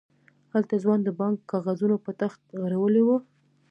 هلته ځوان د بانک کاغذونه په تخت غړولي وو.